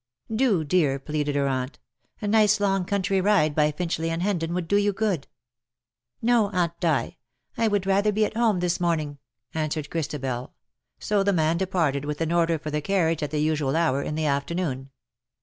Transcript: " Do, dear,^^ pleaded her aunt ;^' a nice long country ride by Finchley and Hendon would do you good.'' " No, Aunt Di — I would rather be at home this morning,'' answered Christabel; so the man departed, with an order for the carriage at the usual hour in the afternoon.